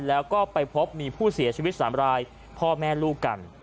แล้วก็ไปพบมีผู้เสียชีวิต๓รายพ่อแม่ลูกกัน